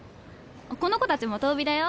この子たちも東美だよ。